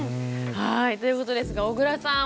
ということですが小倉さん